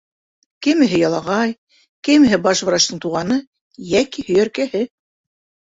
Кемеһе ялағай, кемеһе баш врачтың туғаны йәки һөйәркәһе...